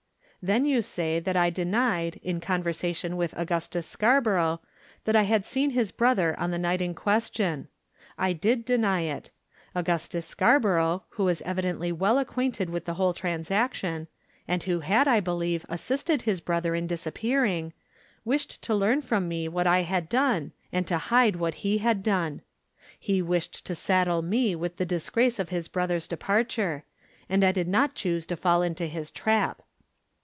"Then you say that I denied, in conversation with Augustus Scarborough, that I had seen his brother on the night in question. I did deny it. Augustus Scarborough, who was evidently well acquainted with the whole transaction, and who had, I believe, assisted his brother in disappearing, wished to learn from me what I had done, and to hide what he had done. He wished to saddle me with the disgrace of his brother's departure, and I did not choose to fall into his trap.